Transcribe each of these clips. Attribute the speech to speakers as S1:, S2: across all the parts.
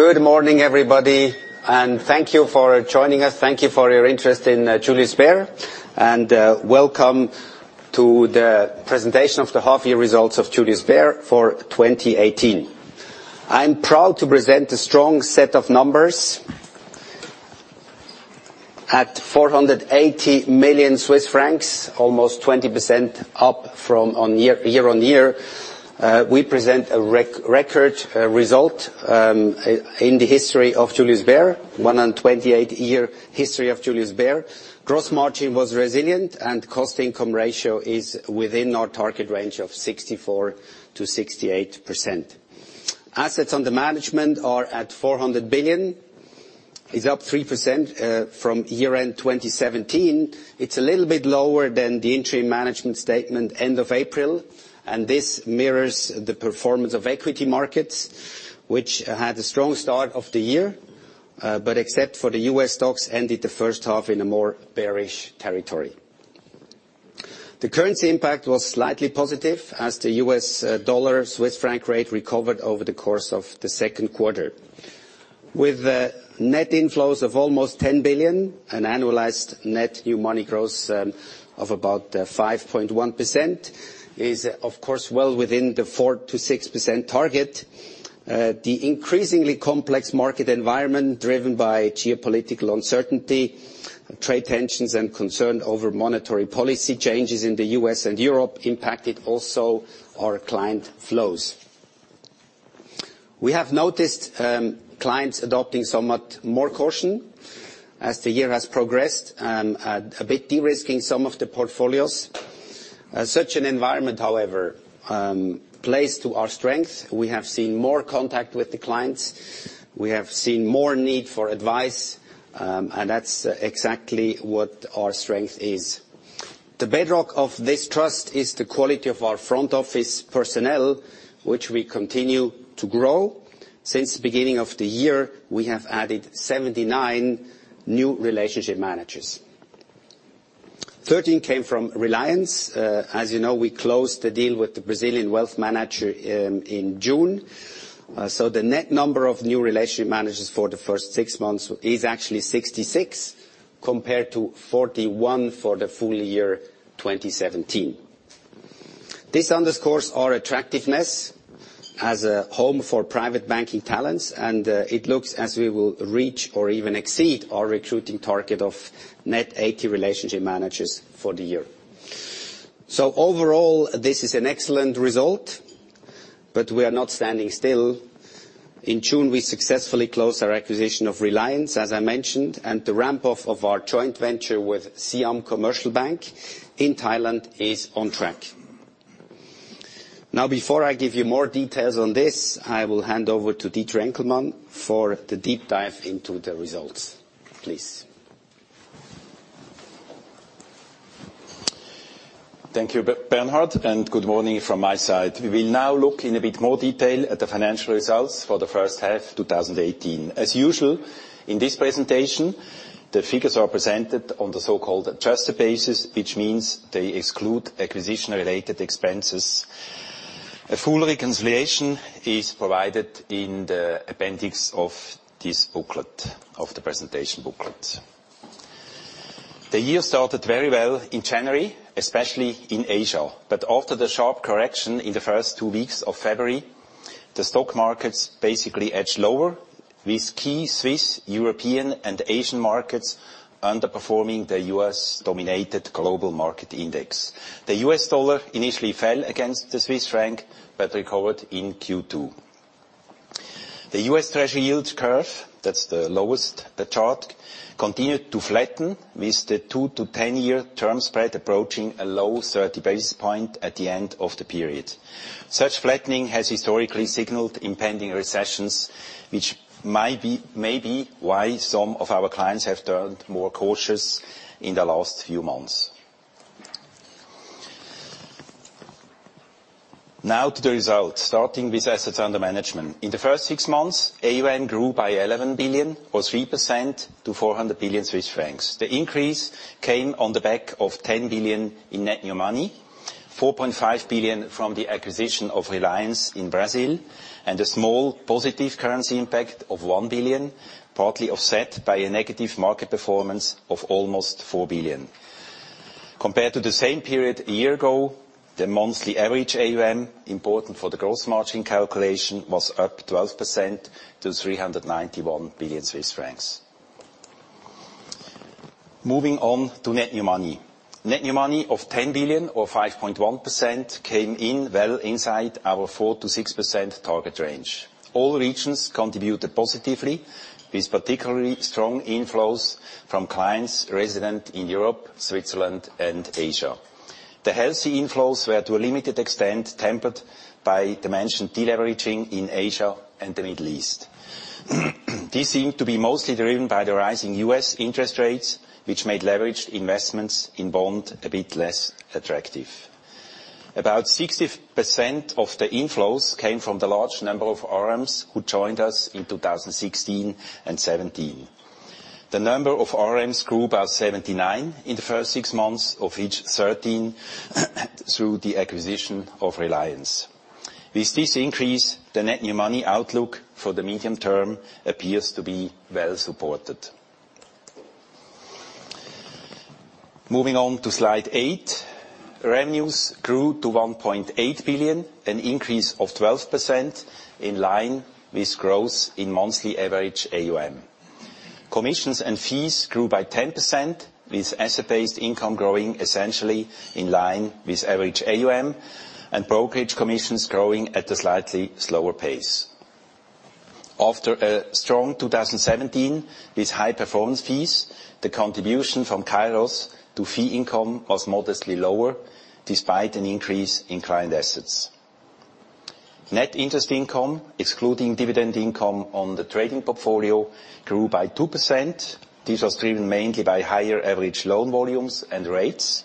S1: Good morning, everybody, and thank you for joining us. Thank you for your interest in Julius Bär, and welcome to the presentation of the half year results of Julius Bär for 2018. I'm proud to present a strong set of numbers. At 480 million Swiss francs, almost 20% up year-on-year. We present a record result in the history of Julius Bär, 128-year history of Julius Bär. Gross margin was resilient, cost income ratio is within our target range of 64%-68%. Assets under management are at 400 billion. It's up 3% from year-end 2017. It's a little bit lower than the interim management statement end of April, this mirrors the performance of equity markets, which had a strong start of the year. Except for the U.S. stocks, ended the first half in a more bearish territory. The currency impact was slightly positive as the US dollar-Swiss franc rate recovered over the course of the second quarter. With net inflows of almost 10 billion, an annualized net new money growth of about 5.1% is, of course, well within the 4%-6% target. The increasingly complex market environment driven by geopolitical uncertainty, trade tensions, and concern over monetary policy changes in the U.S. and Europe impacted also our client flows. We have noticed clients adopting somewhat more caution as the year has progressed, a bit de-risking some of the portfolios. Such an environment, however, plays to our strength. We have seen more contact with the clients. We have seen more need for advice, that's exactly what our strength is. The bedrock of this trust is the quality of our front office personnel, which we continue to grow. Since the beginning of the year, we have added 79 new relationship managers. 13 came from Reliance. As you know, we closed the deal with the Brazilian wealth manager in June. The net number of new relationship managers for the first six months is actually 66, compared to 41 for the full year 2017. This underscores our attractiveness as a home for private banking talents, it looks as we will reach or even exceed our recruiting target of net 80 relationship managers for the year. Overall, this is an excellent result, we are not standing still. In June, we successfully closed our acquisition of Reliance, as I mentioned, the ramp off of our joint venture with Siam Commercial Bank in Thailand is on track. Now, before I give you more details on this, I will hand over to Dieter Enkelmann for the deep dive into the results. Please.
S2: Thank you, Bernhard, and good morning from my side. We will now look in a bit more detail at the financial results for the first half 2018. As usual, in this presentation, the figures are presented on the so-called adjusted basis, which means they exclude acquisition-related expenses. A full reconciliation is provided in the appendix of this booklet, of the presentation booklet. The year started very well in January, especially in Asia. After the sharp correction in the first two weeks of February, the stock markets basically edged lower, with key Swiss, European, and Asian markets underperforming the U.S.-dominated global market index. The U.S. dollar initially fell against the Swiss franc, but recovered in Q2. The U.S. Treasury yield curve, that is the lowest, the chart, continued to flatten with the two to 10-year term spread approaching a low 30 basis points at the end of the period. Such flattening has historically signaled impending recessions, which may be why some of our clients have turned more cautious in the last few months. Now to the results, starting with assets under management. In the first six months, AUM grew by 11 billion or 3% to 400 billion Swiss francs. The increase came on the back of 10 billion in net new money, 4.5 billion from the acquisition of Reliance in Brazil, and a small positive currency impact of 1 billion, partly offset by a negative market performance of almost 4 billion. Compared to the same period a year ago, the monthly average AUM, important for the gross margin calculation, was up 12% to 391 billion Swiss francs. Moving on to net new money. Net new money of 10 billion or 5.1% came in well inside our 4%-6% target range. All regions contributed positively, with particularly strong inflows from clients resident in Europe, Switzerland, and Asia. The healthy inflows were to a limited extent tempered by the mentioned de-leveraging in Asia and the Middle East. This seemed to be mostly driven by the rising U.S. interest rates, which made leveraged investments in bonds a bit less attractive. About 60% of the inflows came from the large number of RMs who joined us in 2016 and 2017. The number of RMs grew by 79 in the first six months, of which 13 through the acquisition of Reliance. With this increase, the net new money outlook for the medium term appears to be well-supported. Moving on to slide eight. Revenues grew to 1.8 billion, an increase of 12% in line with growth in monthly average AUM. Commissions and fees grew by 10%, with asset-based income growing essentially in line with average AUM, and brokerage commissions growing at a slightly slower pace. After a strong 2017 with high performance fees, the contribution from Kairos to fee income was modestly lower, despite an increase in client assets. Net interest income, excluding dividend income on the trading portfolio, grew by 2%. This was driven mainly by higher average loan volumes and rates,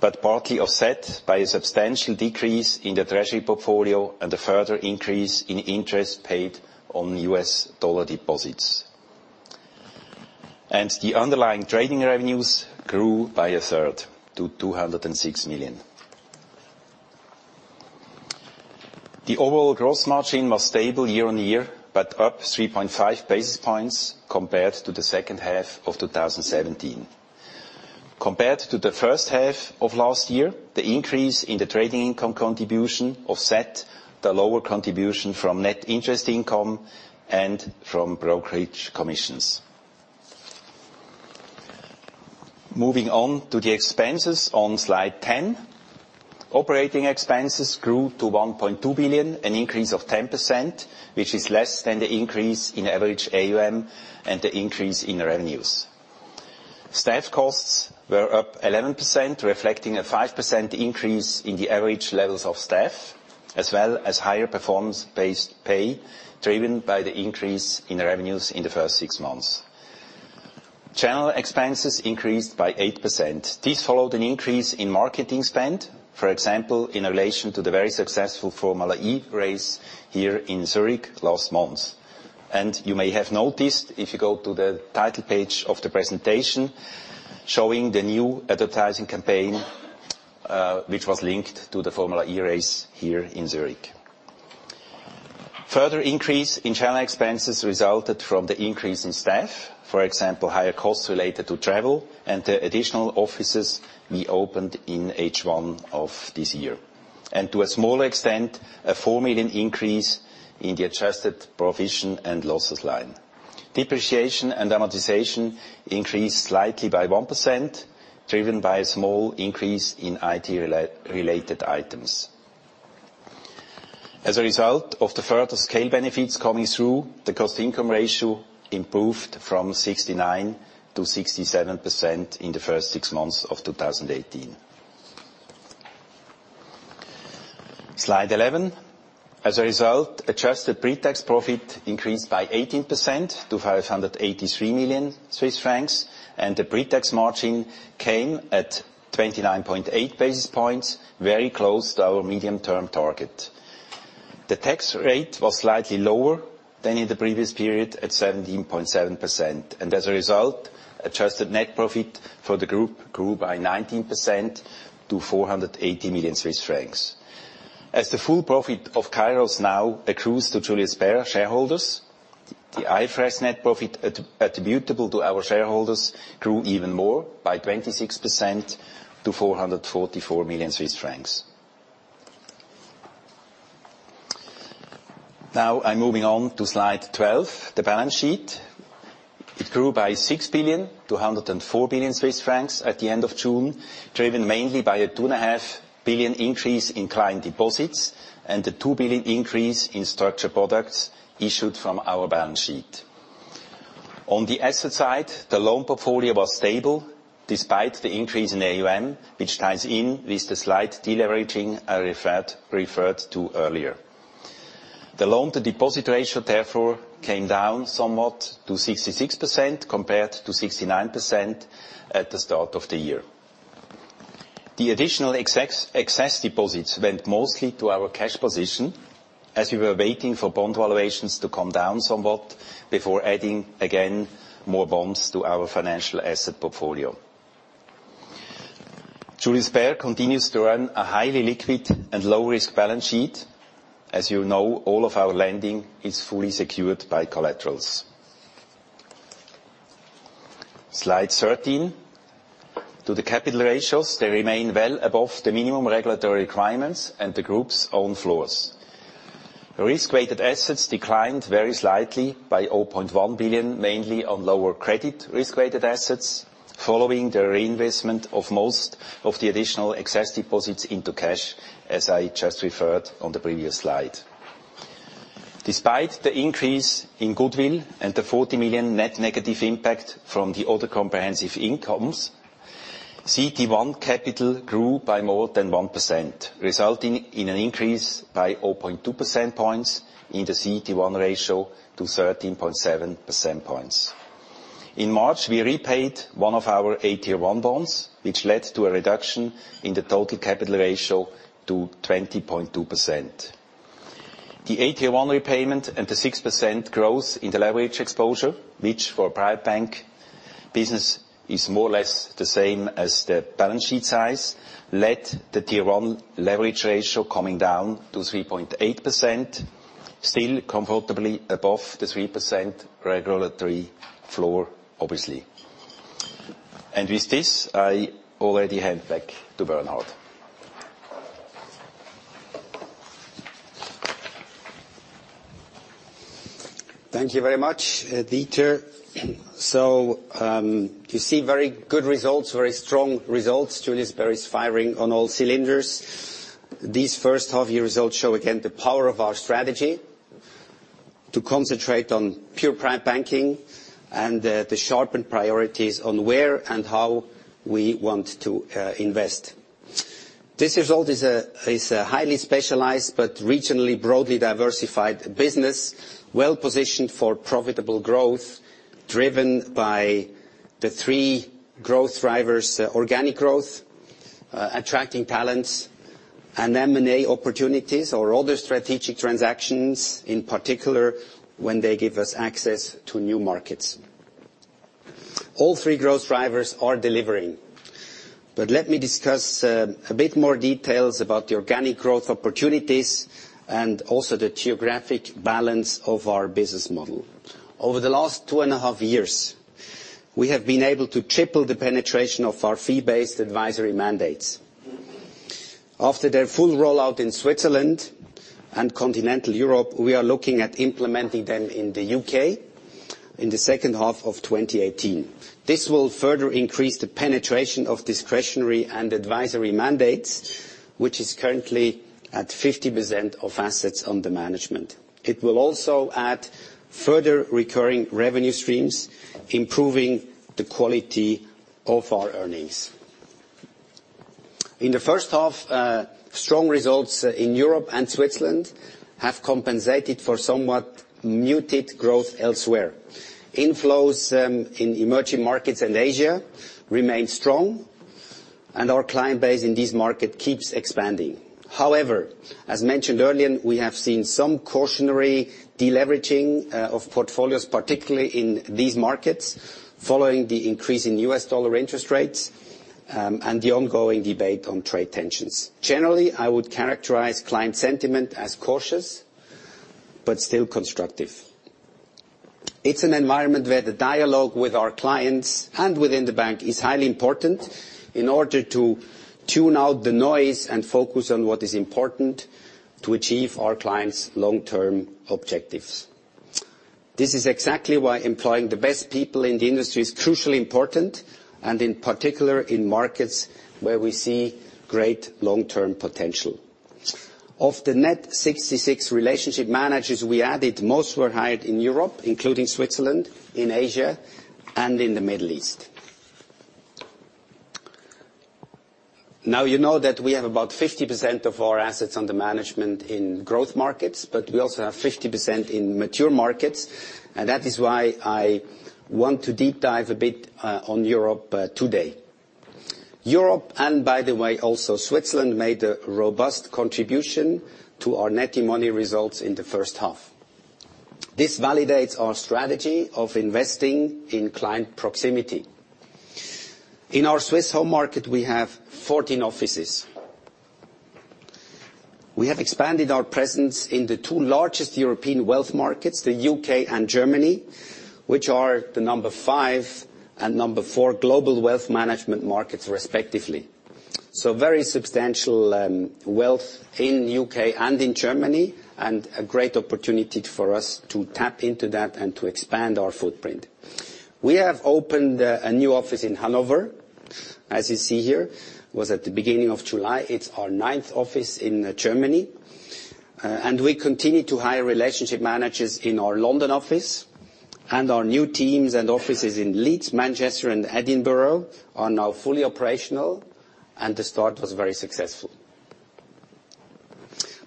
S2: but partly offset by a substantial decrease in the treasury portfolio and a further increase in interest paid on U.S. dollar deposits. The underlying trading revenues grew by a third to 206 million. The overall gross margin was stable year-on-year, but up 3.5 basis points compared to the second half of 2017. Compared to the first half of last year, the increase in the trading income contribution offset the lower contribution from net interest income and from brokerage commissions. Moving on to the expenses on slide 10. Operating expenses grew to 1.2 billion, an increase of 10%, which is less than the increase in average AUM and the increase in revenues. Staff costs were up 11%, reflecting a 5% increase in the average levels of staff, as well as higher performance-based pay, driven by the increase in revenues in the first six months. Channel expenses increased by 8%. This followed an increase in marketing spend, for example, in relation to the very successful Formula E race here in Zurich last month. You may have noticed if you go to the title page of the presentation showing the new advertising campaign, which was linked to the Formula E race here in Zurich. Further increase in channel expenses resulted from the increase in staff, for example, higher costs related to travel and the additional offices we opened in H1 of this year. To a smaller extent, a 4 million increase in the adjusted provision and losses line. Depreciation and amortization increased slightly by 1%, driven by a small increase in IT-related items. As a result of the further scale benefits coming through, the cost-income ratio improved from 69% to 67% in the first six months of 2018. slide 11. As a result, adjusted pre-tax profit increased by 18% to 583 million Swiss francs, and the pre-tax margin came at 29.8 basis points, very close to our medium-term target. The tax rate was slightly lower than in the previous period at 17.7%. As a result, adjusted net profit for the group grew by 19% to 480 million Swiss francs. As the full profit of Kairos now accrues to Julius Bär shareholders, the IFRS net profit attributable to our shareholders grew even more by 26% to CHF 444 million. I'm moving on to slide 12, the balance sheet. It grew by 6 billion to 104 billion Swiss francs at the end of June, driven mainly by a two and a half billion increase in client deposits and a 2 billion increase in structured products issued from our balance sheet. On the asset side, the loan portfolio was stable despite the increase in AUM, which ties in with the slight deleveraging I referred to earlier. The loan-to-deposit ratio, therefore, came down somewhat to 66% compared to 69% at the start of the year. The additional excess deposits went mostly to our cash position as we were waiting for bond valuations to come down somewhat before adding again more bonds to our financial asset portfolio. Julius Bär continues to run a highly liquid and low-risk balance sheet. As you know, all of our lending is fully secured by collaterals. slide 13. To the capital ratios, they remain well above the minimum regulatory requirements and the group's own floors. Risk-weighted assets declined very slightly by 0.1 billion, mainly on lower credit risk-weighted assets, following the reinvestment of most of the additional excess deposits into cash, as I just referred on the previous slide. Despite the increase in goodwill and the 40 million net negative impact from the other comprehensive incomes, CET1 capital grew by more than 1%, resulting in an increase by 0.2 percentage points in the CET1 ratio to 13.7 percentage points. In March, we repaid one of our AT1 bonds, which led to a reduction in the total capital ratio to 20.2%. The AT1 repayment and the 6% growth in the leverage exposure, which for private bank business is more or less the same as the balance sheet size, led the Tier 1 leverage ratio coming down to 3.8%, still comfortably above the 3% regulatory floor, obviously. With this, I already hand back to Bernhard.
S1: Thank you very much, Dieter. You see very good results, very strong results. Julius Bär is firing on all cylinders. These first half-year results show again the power of our strategy to concentrate on pure private banking and the sharpened priorities on where and how we want to invest. This result is a highly specialized but regionally broadly diversified business, well-positioned for profitable growth, driven by the three growth drivers: organic growth, attracting talents, and M&A opportunities or other strategic transactions, in particular, when they give us access to new markets. All three growth drivers are delivering. Let me discuss a bit more details about the organic growth opportunities and also the geographic balance of our business model. Over the last two and a half years, we have been able to triple the penetration of our fee-based advisory mandates. After their full rollout in Switzerland and Continental Europe, we are looking at implementing them in the U.K. in the second half of 2018. This will further increase the penetration of discretionary and advisory mandates, which is currently at 50% of assets under management. It will also add further recurring revenue streams, improving the quality of our earnings. In the first half, strong results in Europe and Switzerland have compensated for somewhat muted growth elsewhere. Inflows in emerging markets and Asia remain strong, and our client base in this market keeps expanding. However, as mentioned earlier, we have seen some cautionary deleveraging of portfolios, particularly in these markets, following the increase in US dollar interest rates and the ongoing debate on trade tensions. Generally, I would characterize client sentiment as cautious but still constructive. It's an environment where the dialogue with our clients and within the bank is highly important in order to tune out the noise and focus on what is important to achieve our clients' long-term objectives. This is exactly why employing the best people in the industry is crucially important, in particular, in markets where we see great long-term potential. Of the net 66 relationship managers we added, most were hired in Europe, including Switzerland, in Asia, and in the Middle East. You know that we have about 50% of our assets under management in growth markets, but we also have 50% in mature markets, and that is why I want to deep dive a bit on Europe today. Europe, and by the way, also Switzerland, made a robust contribution to our net new money results in the first half. This validates our strategy of investing in client proximity. In our Swiss home market, we have 14 offices. We have expanded our presence in the two largest European wealth markets, the U.K. and Germany, which are the number five and number four global wealth management markets, respectively. Very substantial wealth in U.K. and in Germany, and a great opportunity for us to tap into that and to expand our footprint. We have opened a new office in Hanover, as you see here. It was at the beginning of July. It's our ninth office in Germany. We continue to hire relationship managers in our London office. Our new teams and offices in Leeds, Manchester, and Edinburgh are now fully operational, and the start was very successful.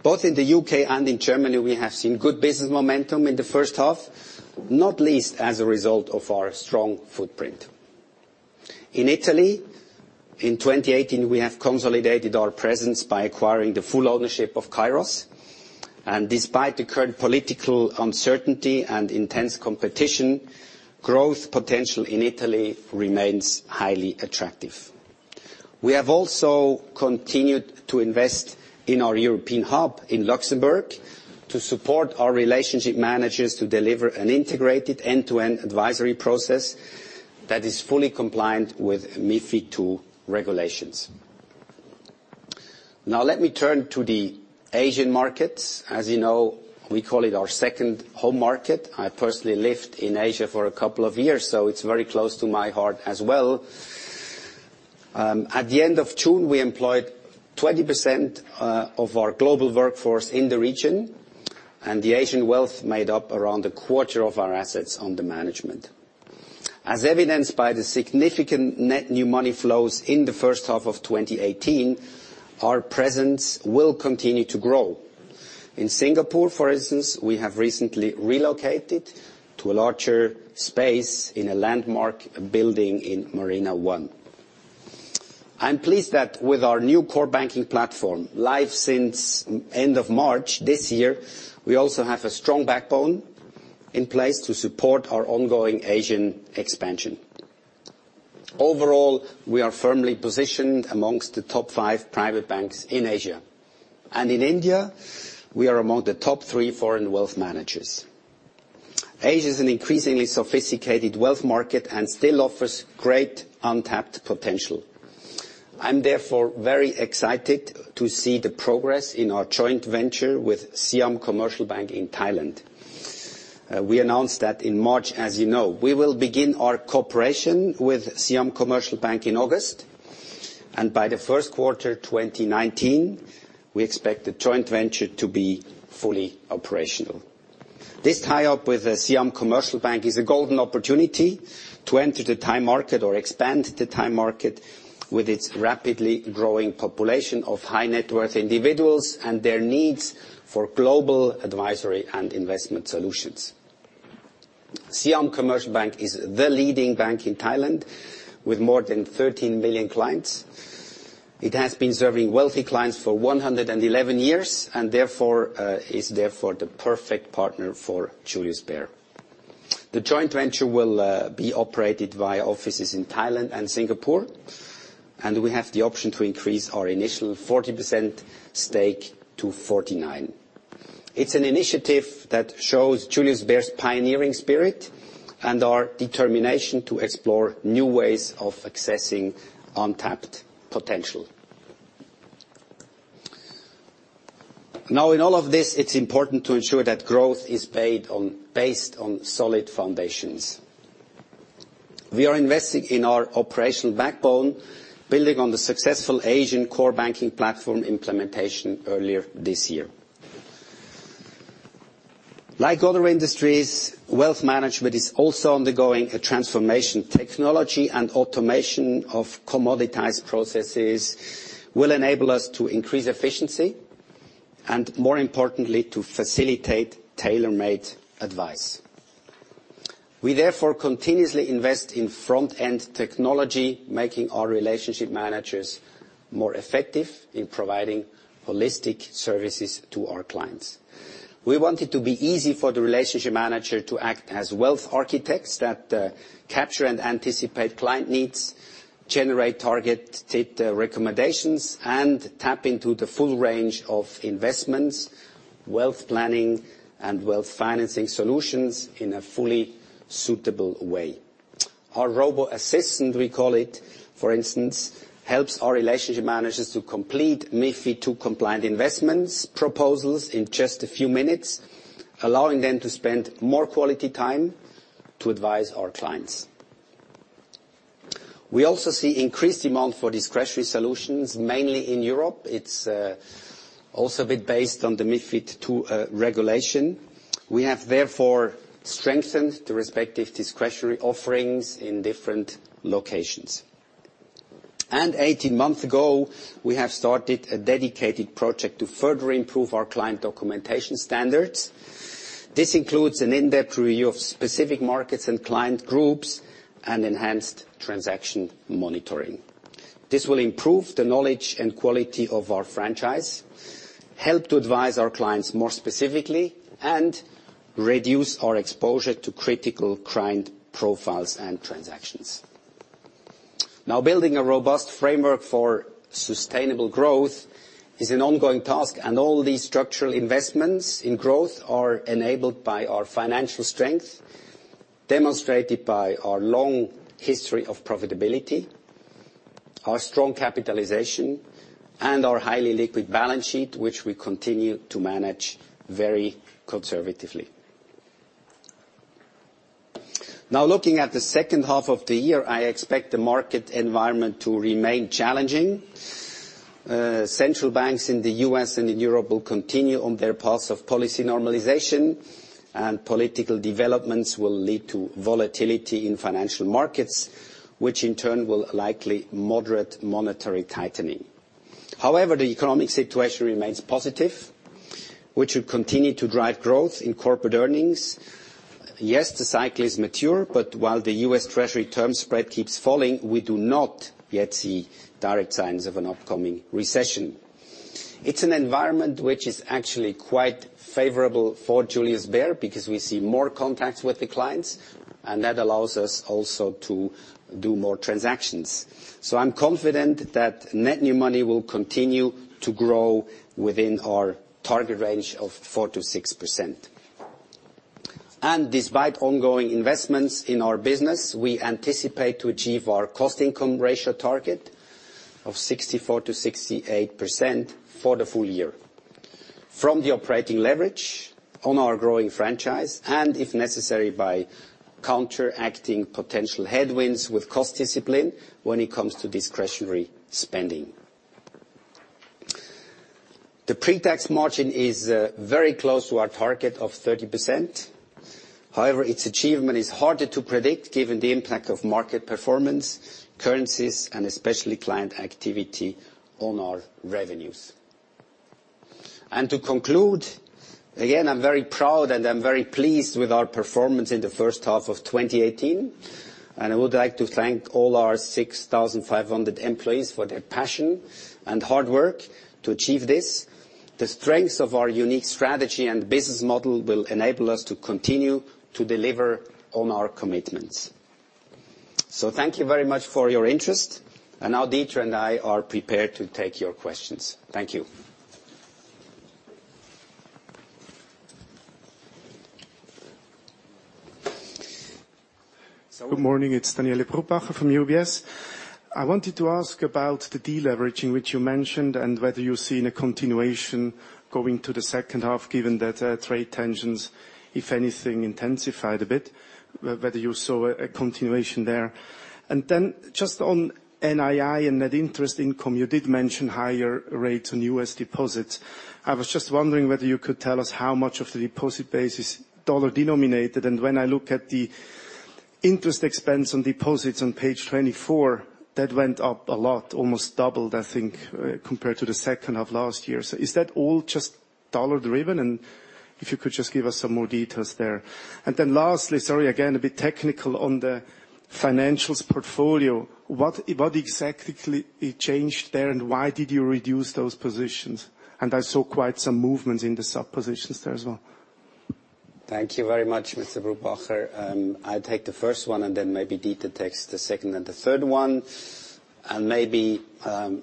S1: Both in the U.K. and in Germany, we have seen good business momentum in the first half, not least as a result of our strong footprint. In Italy, in 2018, we have consolidated our presence by acquiring the full ownership of Kairos. Despite the current political uncertainty and intense competition, growth potential in Italy remains highly attractive. We have also continued to invest in our European hub in Luxembourg to support our relationship managers to deliver an integrated end-to-end advisory process that is fully compliant with MiFID II regulations. Let me turn to the Asian markets. As you know, we call it our second home market. I personally lived in Asia for a couple of years, it's very close to my heart as well. At the end of June, we employed 20% of our global workforce in the region, and the Asian wealth made up around a quarter of our assets under management. As evidenced by the significant net new money flows in the first half of 2018, our presence will continue to grow. In Singapore, for instance, we have recently relocated to a larger space in a landmark building in Marina One. I'm pleased that with our new core banking platform, live since end of March this year, we also have a strong backbone in place to support our ongoing Asian expansion. Overall, we are firmly positioned amongst the top five private banks in Asia. In India, we are among the top three foreign wealth managers. Asia's an increasingly sophisticated wealth market and still offers great untapped potential. I'm therefore very excited to see the progress in our joint venture with Siam Commercial Bank in Thailand. We announced that in March, as you know. We will begin our cooperation with Siam Commercial Bank in August, and by the first quarter 2019, we expect the joint venture to be fully operational. This tie-up with the Siam Commercial Bank is a golden opportunity to enter the Thai market or expand the Thai market, with its rapidly growing population of high-net worth individuals and their needs for global advisory and investment solutions. Siam Commercial Bank is the leading bank in Thailand, with more than 13 million clients. It has been serving wealthy clients for 111 years, and is therefore the perfect partner for Julius Bär. The joint venture will be operated via offices in Thailand and Singapore, and we have the option to increase our initial 40% stake to 49%. It's an initiative that shows Julius Bär's pioneering spirit and our determination to explore new ways of accessing untapped potential. In all of this, it's important to ensure that growth is based on solid foundations. We are investing in our operational backbone, building on the successful Asian core banking platform implementation earlier this year. Like other industries, wealth management is also undergoing a transformation. Technology and automation of commoditized processes will enable us to increase efficiency, and more importantly, to facilitate tailor-made advice. We therefore continuously invest in front-end technology, making our relationship managers more effective in providing holistic services to our clients. We want it to be easy for the relationship manager to act as wealth architects that capture and anticipate client needs, generate targeted recommendations, and tap into the full range of investments, wealth planning, and wealth financing solutions in a fully suitable way. Our robo-assistant, we call it, for instance, helps our relationship managers to complete MiFID II-compliant investments proposals in just a few minutes, allowing them to spend more quality time to advise our clients. We also see increased demand for discretionary solutions, mainly in Europe. It's also a bit based on the MiFID II regulation. We have therefore strengthened the respective discretionary offerings in different locations. 18 months ago, we have started a dedicated project to further improve our client documentation standards. This includes an in-depth review of specific markets and client groups and enhanced transaction monitoring. This will improve the knowledge and quality of our franchise, help to advise our clients more specifically, and reduce our exposure to critical client profiles and transactions. Building a robust framework for sustainable growth is an ongoing task, and all these structural investments in growth are enabled by our financial strength, demonstrated by our long history of profitability, our strong capitalization, and our highly liquid balance sheet, which we continue to manage very conservatively. Looking at the second half of the year, I expect the market environment to remain challenging. Central banks in the U.S. and in Europe will continue on their paths of policy normalization, and political developments will lead to volatility in financial markets, which in turn will likely moderate monetary tightening. However, the economic situation remains positive, which should continue to drive growth in corporate earnings. Yes, the cycle is mature, but while the U.S. Treasury term spread keeps falling, we do not yet see direct signs of an upcoming recession. It's an environment which is actually quite favorable for Julius Bär, because we see more contacts with the clients, and that allows us also to do more transactions. I'm confident that net new money will continue to grow within our target range of 4%-6%. Despite ongoing investments in our business, we anticipate to achieve our cost income ratio target of 64%-68% for the full year. From the operating leverage on our growing franchise, and if necessary, by counteracting potential headwinds with cost discipline when it comes to discretionary spending. The pre-tax margin is very close to our target of 30%. However, its achievement is harder to predict given the impact of market performance, currencies, and especially client activity on our revenues. To conclude, again, I'm very proud and I'm very pleased with our performance in the first half of 2018, and I would like to thank all our 6,500 employees for their passion and hard work to achieve this. The strengths of our unique strategy and business model will enable us to continue to deliver on our commitments. Thank you very much for your interest, and now Dieter and I are prepared to take your questions. Thank you.
S3: Good morning. It's Daniele Brupbacher from UBS. I wanted to ask about the deleveraging which you mentioned, whether you've seen a continuation going to the second half, given that trade tensions, if anything, intensified a bit, whether you saw a continuation there. Then just on NII and net interest income, you did mention higher rates on U.S. deposits. I was just wondering whether you could tell us how much of the deposit base is dollar-denominated. When I look at the interest expense on deposits on page 24, that went up a lot, almost doubled, I think, compared to the second half last year. Is that all just dollar-driven? If you could just give us some more details there. Then lastly, sorry, again, a bit technical on the financials portfolio, what exactly changed there, and why did you reduce those positions? I saw quite some movements in the sub-positions there as well.
S1: Thank you very much, Mr. Brupbacher. I'll take the first one, then maybe Dieter takes the second and the third one. Maybe,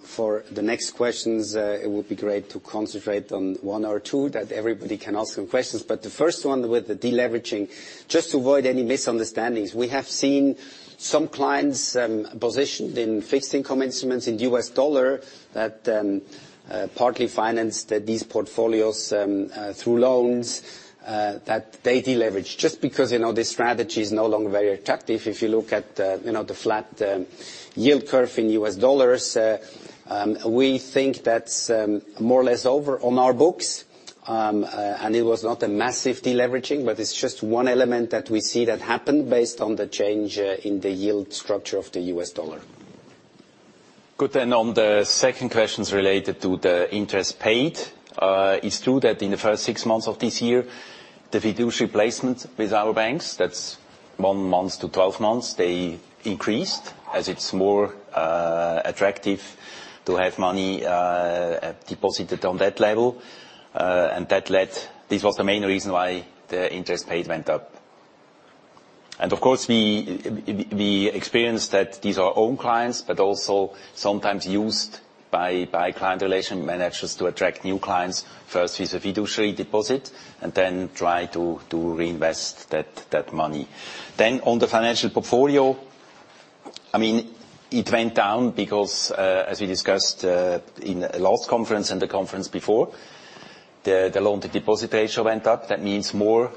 S1: for the next questions, it would be great to concentrate on one or two that everybody can ask some questions. The first one, with the deleveraging, just to avoid any misunderstandings, we have seen some clients positioned in fixed income instruments in U.S. dollar that partly financed these portfolios through loans that they deleveraged. Just because this strategy is no longer very attractive if you look at the flat yield curve in U.S. dollars. We think that's more or less over on our books. It was not a massive deleveraging, but it's just one element that we see that happened based on the change in the yield structure of the U.S. dollar.
S2: Good. On the second questions related to the interest paid. It is true that in the first six months of this year, the fiduciary placement with our banks, that is one month to 12 months, they increased, as it is more attractive to have money deposited on that level. This was the main reason why the interest paid went up. Of course, we experienced that these are our own clients, but also sometimes used by client relation managers to attract new clients, first with a fiduciary deposit, and then try to reinvest that money. On the financial portfolio, it went down because, as we discussed in the last conference and the conference before, the loan-to-deposit ratio went up. That means more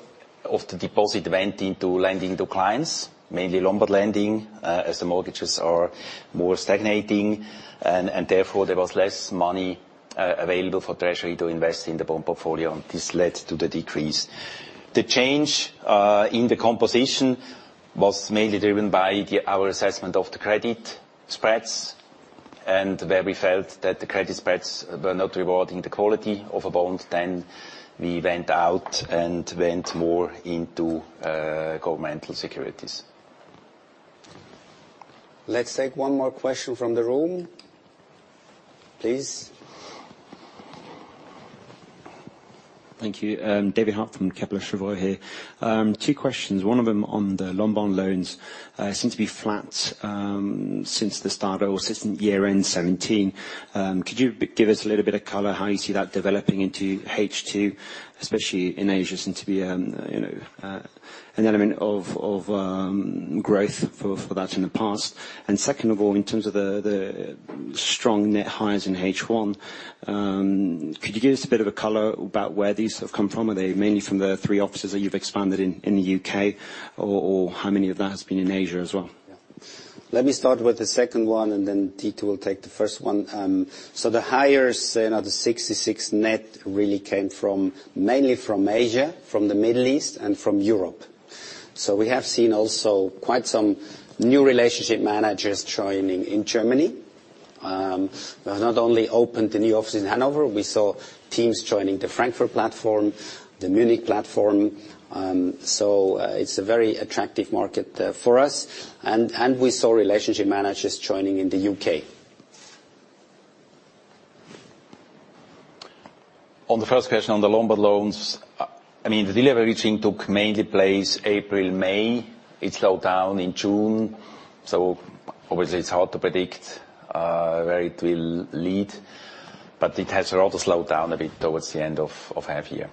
S2: of the deposit went into lending to clients, mainly Lombard lending, as the mortgages are more stagnating. Therefore, there was less money available for treasury to invest in the bond portfolio, and this led to the decrease. The change in the composition was mainly driven by our assessment of the credit spreads, and where we felt that the credit spreads were not rewarding the quality of a bond, then we went out and went more into governmental securities.
S1: Let's take one more question from the room. Please.
S4: Thank you. David Hart from Kepler Cheuvreux here. Two questions, one of them on the Lombard loans, seem to be flat since the start of, or since year-end 2017. Could you give us a little bit of color how you see that developing into H2, especially in Asia? Seem to be an element of growth for that in the past. Second of all, in terms of the strong net hires in H1, could you give us a bit of a color about where these have come from? Are they mainly from the three offices that you've expanded in the U.K., or how many of that has been in Asia as well?
S1: Let me start with the second one, then Dieter will take the first one. The hires, the 66 net really came mainly from Asia, from the Middle East, and from Europe. We have seen also quite some new relationship managers joining in Germany. We have not only opened the new office in Hanover, we saw teams joining the Frankfurt platform, the Munich platform. It's a very attractive market for us. We saw relationship managers joining in the U.K.
S2: On the first question, on the Lombard loans. The deleveraging took mainly place April, May. It slowed down in June. Obviously it's hard to predict where it will lead, but it has rather slowed down a bit towards the end of half year.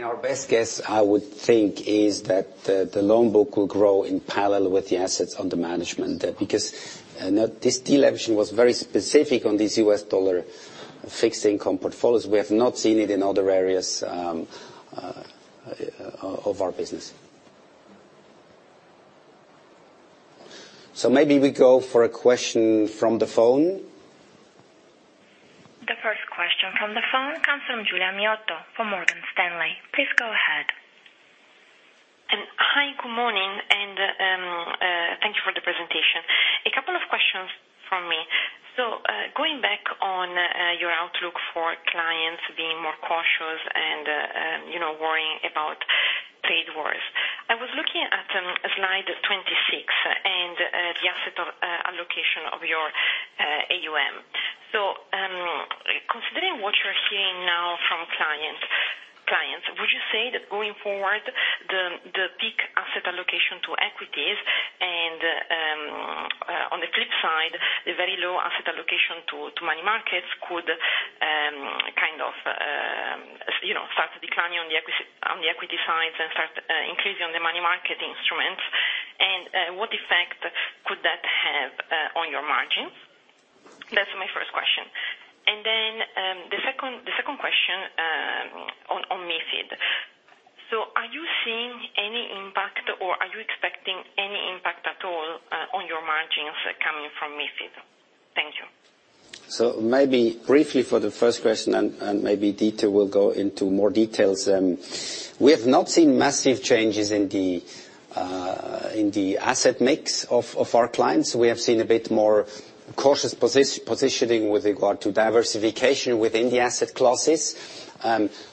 S1: Our best guess, I would think, is that the loan book will grow in parallel with the assets under management. Because this deleveraging was very specific on these U.S. dollar fixed income portfolios. We have not seen it in other areas of our business. Maybe we go for a question from the phone.
S5: The first question from the phone comes from Giulia Miotto from Morgan Stanley. Please go ahead.
S6: Questions from me. Going back on your outlook for clients being more cautious and worrying about trade wars. I was looking at Slide 26 and the asset allocation of your AUM. Considering what you're hearing now from clients, would you say that going forward, the peak asset allocation to equities and, on the flip side, the very low asset allocation to money markets could start declining on the equity sides and start increasing on the money market instruments? What effect could that have on your margins? That's my first question. The second question on MiFID. Are you seeing any impact or are you expecting any impact at all on your margins coming from MiFID? Thank you.
S1: Maybe briefly for the first question, and maybe Dieter will go into more details. We have not seen massive changes in the asset mix of our clients. We have seen a bit more cautious positioning with regard to diversification within the asset classes.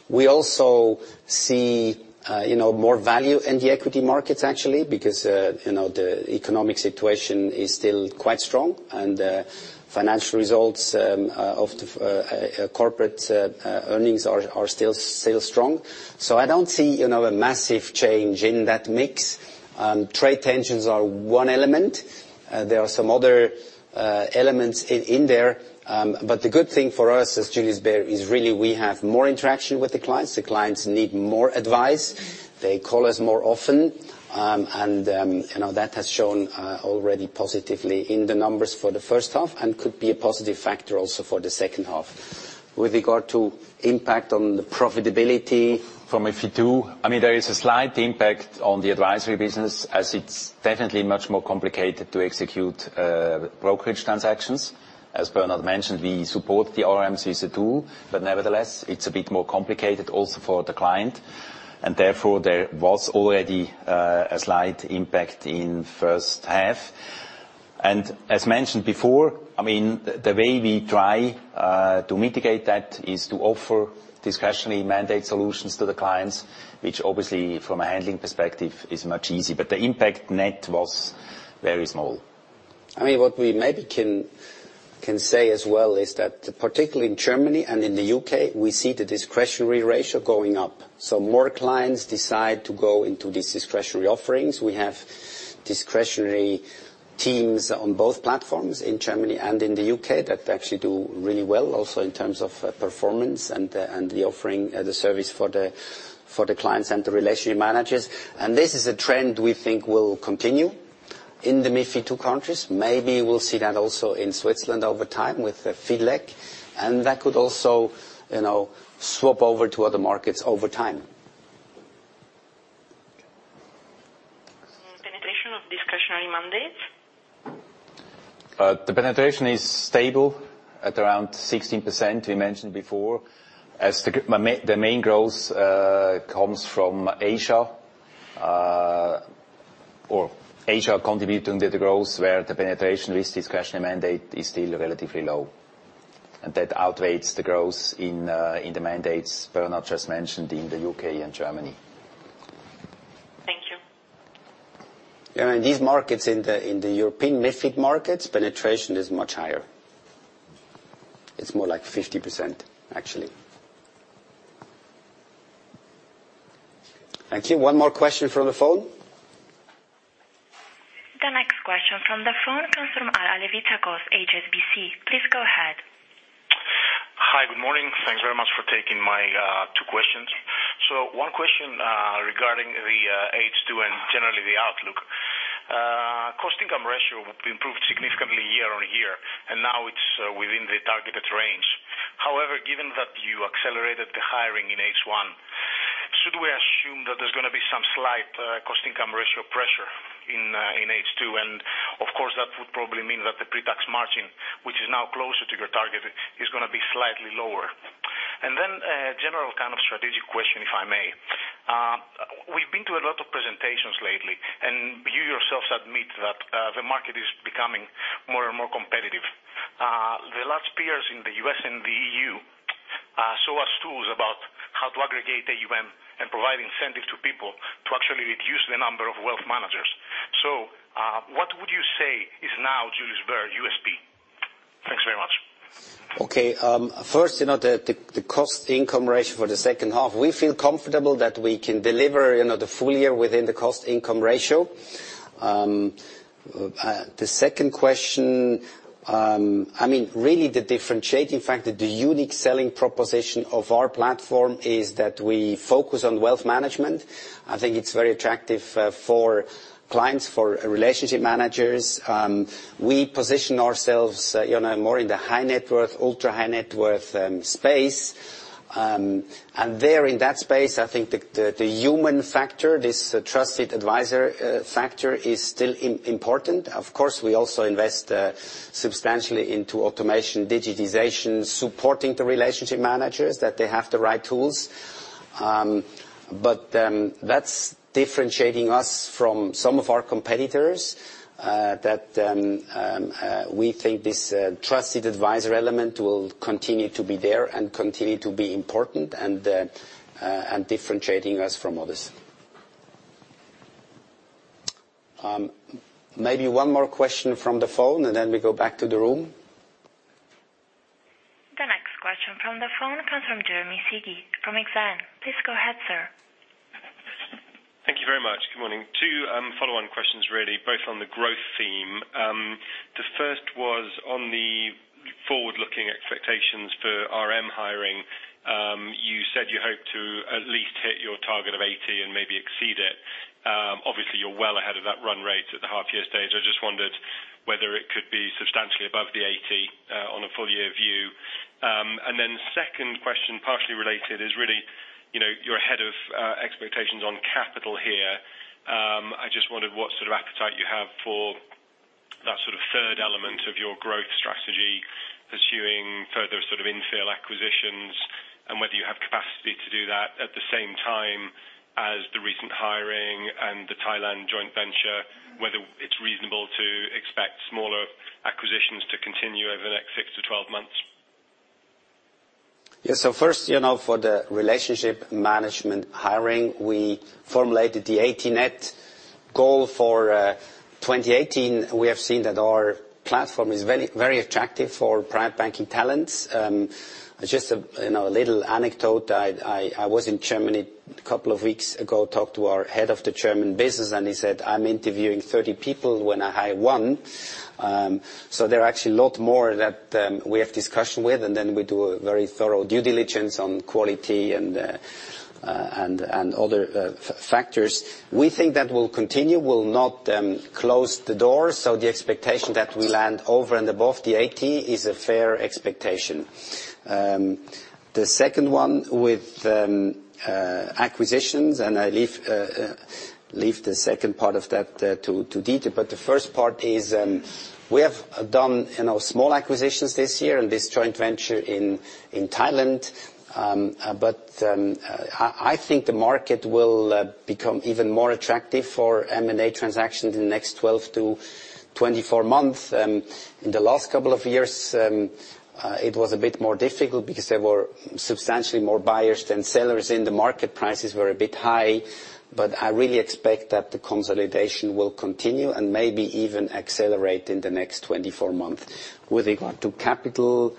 S1: We also see more value in the equity markets actually, because the economic situation is still quite strong and financial results of the corporate earnings are still strong. I don't see a massive change in that mix. Trade tensions are one element. There are some other elements in there. The good thing for us as Julius Bär is really we have more interaction with the clients. The clients need more advice. They call us more often. That has shown already positively in the numbers for the first half and could be a positive factor also for the second half. With regard to impact on the profitability.
S2: From MiFID II, there is a slight impact on the advisory business as it's definitely much more complicated to execute brokerage transactions. As Bernhard mentioned, we support the RMCS tool, but nevertheless, it's a bit more complicated also for the client. Therefore, there was already a slight impact in first half. As mentioned before, the way we try to mitigate that is to offer discretionary mandate solutions to the clients, which obviously from a handling perspective is much easy. The impact net was very small.
S1: What we maybe can say as well is that particularly in Germany and in the U.K., we see the discretionary ratio going up. More clients decide to go into these discretionary offerings. We have discretionary teams on both platforms in Germany and in the U.K. that actually do really well also in terms of performance and the offering, the service for the clients and the relationship managers. This is a trend we think will continue in the MiFID II countries. Maybe we'll see that also in Switzerland over time with FIDLEG, and that could also swap over to other markets over time.
S6: Penetration of discretionary mandates?
S2: The penetration is stable at around 16%, we mentioned before, as the main growth comes from Asia. Asia contributing to the growth where the penetration [risk and discretionary mandate] is still relatively low. That outweighs the growth in the mandates Bernhard just mentioned in the U.K. and Germany.
S6: Thank you.
S1: Yeah, in these markets, in the European MiFID markets, penetration is much higher. It's more like 50%, actually. Thank you. One more question from the phone.
S5: The next question from the phone comes from Evie Kostakis, HSBC. Please go ahead.
S7: Hi. Good morning. Thanks very much for taking my two questions. One question, regarding the H2 and generally the outlook. Cost income ratio improved significantly year-on-year, now it's within the targeted range. However, given that you accelerated the hiring in H1, should we assume that there's going to be some slight, cost income ratio pressure in H2? Of course, that would probably mean that the pre-tax margin, which is now closer to your target, is going to be slightly lower. Then a general kind of strategic question, if I may. We've been to a lot of presentations lately, and you yourself admit that the market is becoming more and more competitive. The large peers in the U.S. and the EU show us tools about how to aggregate AUM and provide incentive to people to actually reduce the number of wealth managers. What would you say is now Julius Bär USP? Thanks very much.
S1: Okay. First, the cost income ratio for the second half. We feel comfortable that we can deliver the full year within the cost income ratio. The second question, really the differentiating factor, the unique selling proposition of our platform is that we focus on wealth management. I think it's very attractive for clients, for relationship managers. We position ourselves more in the high net worth, ultra high net worth space. There in that space, I think the human factor, this trusted advisor factor is still important. Of course, we also invest substantially into automation, digitization, supporting the relationship managers, that they have the right tools. That's differentiating us from some of our competitors, that we think this trusted advisor element will continue to be there and continue to be important and differentiating us from others. Maybe one more question from the phone and then we go back to the room.
S5: The next question from the phone comes from Jeremy Sigee from Exane. Please go ahead, sir.
S8: Thank you very much. Good morning. Two follow-on questions really, both on the growth theme. The first was on the forward-looking expectations for RM hiring. You said you hope to at least hit your target of 80 and maybe exceed it. Obviously, you're well ahead of that run rate at the half year stage. I just wondered whether it could be substantially above the 80, on a full year view. Then second question, partially related, is really you're ahead of expectations on capital here. I just wondered what sort of appetite you have for that sort of third element of your growth strategy, pursuing further sort of infill acquisitions, and whether you have capacity to do that at the same time as the recent hiring and the Thailand joint venture, whether it's reasonable to expect smaller acquisitions to continue over the next 6-12 months.
S1: First, for the relationship management hiring, we formulated the 80 net goal for 2018. We have seen that our platform is very attractive for private banking talents. Just a little anecdote, I was in Germany a couple of weeks ago, talked to our head of the German business, and he said, "I am interviewing 30 people when I hire one." There are actually a lot more that we have discussion with, and then we do a very thorough due diligence on quality and other factors. We think that will continue. We will not close the door. The expectation that we land over and above the 80 is a fair expectation. The second one with acquisitions, I leave the second part of that to Dieter, but the first part is we have done small acquisitions this year and this joint venture in Thailand. I think the market will become even more attractive for M&A transactions in the next 12 to 24 months. In the last couple of years, it was a bit more difficult because there were substantially more buyers than sellers in the market. Prices were a bit high. I really expect that the consolidation will continue and maybe even accelerate in the next 24 months. With regard to capital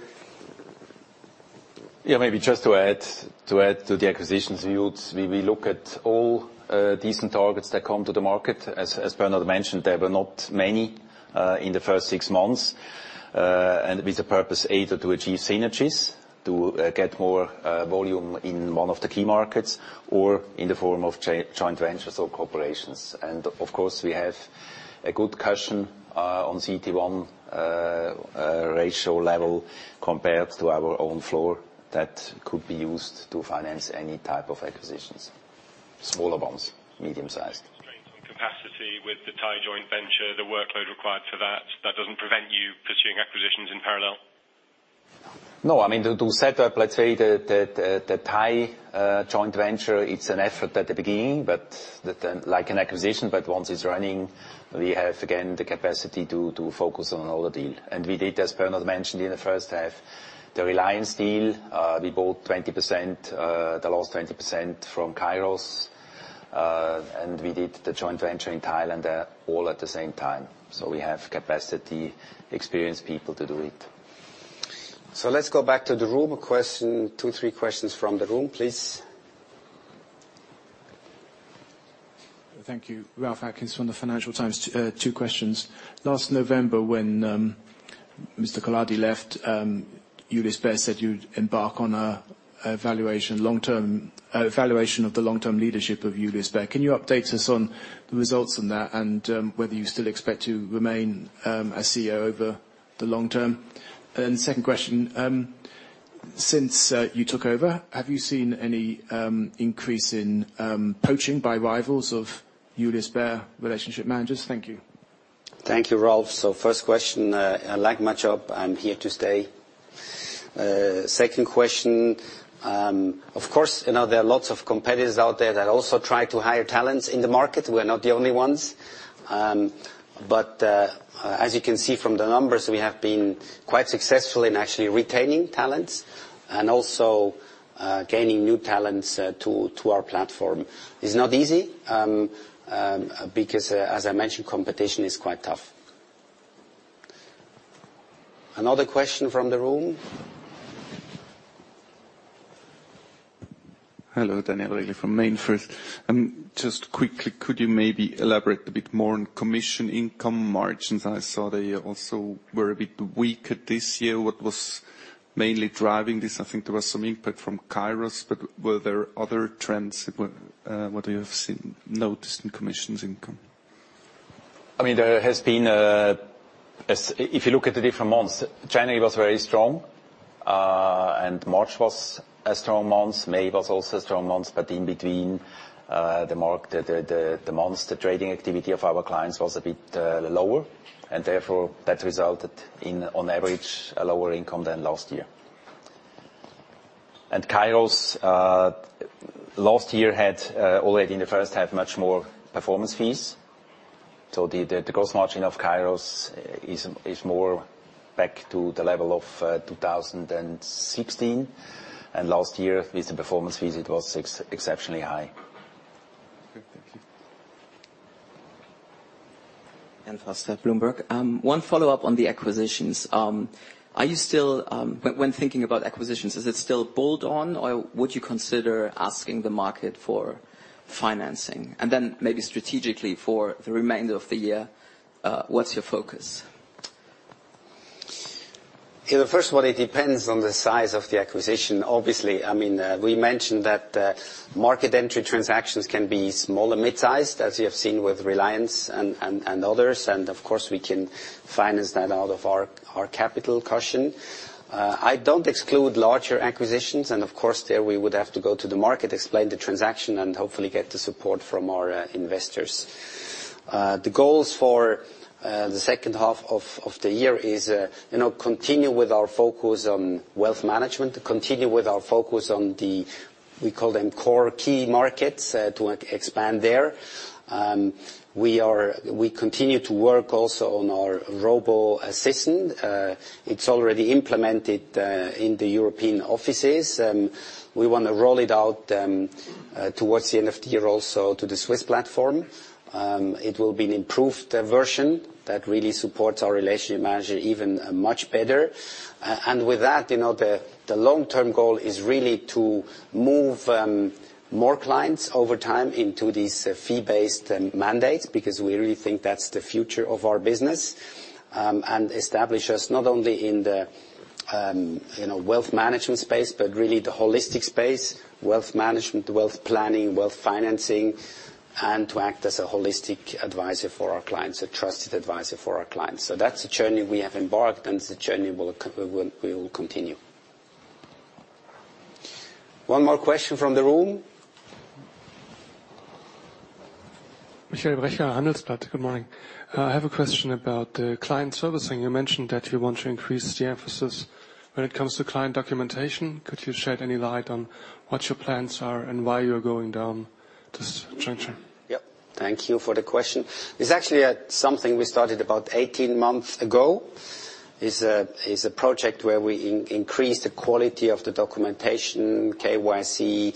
S2: Maybe just to add to the acquisitions view, we look at all decent targets that come to the market. As Bernhard mentioned, there were not many in the first six months. With the purpose either to achieve synergies, to get more volume in one of the key markets, or in the form of joint ventures or corporations. Of course, we have a good cushion on CET1 ratio level compared to our own floor that could be used to finance any type of acquisitions, smaller ones, medium-sized.
S8: Strain on capacity with the Thai joint venture, the workload required for that does not prevent you pursuing acquisitions in parallel?
S2: No. To set up, let's say, the Thai joint venture, it's an effort at the beginning like an acquisition. Once it's running, we have, again, the capacity to focus on another deal. We did, as Bernhard mentioned, in the first half, the Reliance deal. We bought the last 20% from Kairos. We did the joint venture in Thailand all at the same time. We have capacity, experienced people to do it.
S1: Let's go back to the room. Two, three questions from the room, please.
S9: Thank you. Ralph Atkins from the Financial Times. Two questions. Last November, when Mr. Collardi left, Julius Bär said you'd embark on a evaluation of the long-term leadership of Julius Bär. Can you update us on the results on that, and whether you still expect to remain as CEO over the long term? Second question, since you took over, have you seen any increase in poaching by rivals of Julius Bär relationship managers? Thank you.
S1: Thank you, Ralph. First question, I like my job. I'm here to stay. Second question, of course, there are lots of competitors out there that also try to hire talents in the market. We're not the only ones. As you can see from the numbers, we have been quite successful in actually retaining talents and also gaining new talents to our platform. It's not easy, because as I mentioned, competition is quite tough. Another question from the room.
S10: Hello. Daniel Regli from MainFirst. Just quickly, could you maybe elaborate a bit more on commission income margins? I saw they also were a bit weaker this year. What was mainly driving this? I think there was some input from Kairos, but were there other trends what you have noticed in commissions income?
S2: If you look at the different months, January was very strong, March was a strong month. May was also a strong month. In between, the months, the trading activity of our clients was a bit lower, therefore that resulted in, on average, a lower income than last year.
S1: Kairos, last year had already in the first half, much more performance fees. The gross margin of Kairos is more back to the level of 2016. Last year with the performance fees, it was exceptionally high.
S5: Good. Thank you.
S11: Anton Casey, Bloomberg. One follow-up on the acquisitions. When thinking about acquisitions, is it still bolt-on, or would you consider asking the market for financing? Maybe strategically for the remainder of the year, what's your focus?
S1: First of all, it depends on the size of the acquisition, obviously. We mentioned that market entry transactions can be small or mid-sized, as you have seen with Reliance and others. Of course, we can finance that out of our capital cushion. I don't exclude larger acquisitions. Of course, there, we would have to go to the market, explain the transaction, and hopefully get the support from our investors. The goals for the second half of the year is continue with our focus on wealth management, continue with our focus on the, we call them, core key markets, to expand there. We continue to work also on our robo-assistant. It's already implemented in the European offices. We want to roll it out towards the end of the year also to the Swiss platform. It will be an improved version that really supports our relationship manager even much better. With that, the long-term goal is really to move more clients over time into these fee-based mandates, because we really think that's the future of our business. Establish us not only in the wealth management space, but really the holistic space, wealth management, wealth planning, wealth financing, and to act as a holistic advisor for our clients, a trusted advisor for our clients. That's a journey we have embarked, and it's a journey we will continue. One more question from the room.
S12: Michael Brecher, Handelsblatt, good morning. I have a question about the client servicing. You mentioned that you want to increase the emphasis when it comes to client documentation. Could you shed any light on what your plans are and why you're going down this juncture?
S1: Yep, thank you for the question. It's actually something we started about 18 months ago, is a project where we increase the quality of the documentation, KYC,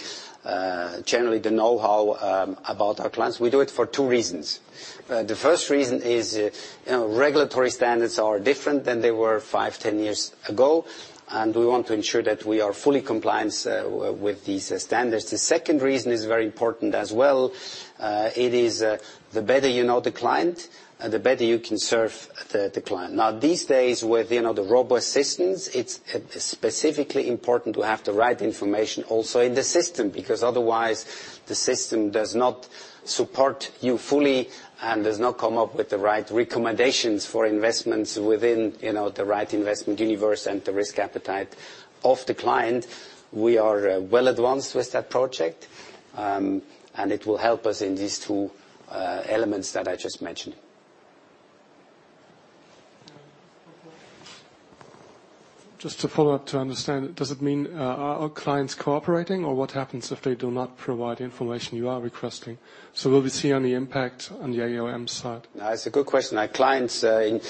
S1: generally the know-how about our clients. We do it for two reasons. The first reason is regulatory standards are different than they were five, 10 years ago, and we want to ensure that we are fully compliant with these standards. The second reason is very important as well. It is, the better you know the client, the better you can serve the client. Now, these days with the robo-assistants, it's specifically important to have the right information also in the system, because otherwise, the system does not support you fully and does not come up with the right recommendations for investments within the right investment universe and the risk appetite of the client. We are well advanced with that project. It will help us in these two elements that I just mentioned.
S12: Just a follow-up to understand. Does it mean, are all clients cooperating, or what happens if they do not provide information you are requesting? Will we see any impact on the AUM side?
S1: No, it's a good question. Our clients, in